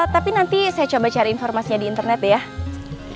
tapi nanti saya coba cari informasinya di internet ya